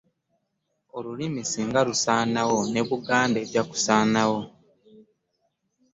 Olulimi singa lusaanawo ne Buganda ejja kusaanawo.